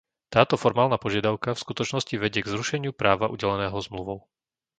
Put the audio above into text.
Táto formálna požiadavka v skutočnosti vedie k zrušeniu práva udeleného zmluvou.